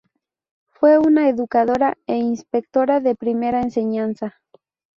Fue una educadora e inspectora de Primera Enseñanza.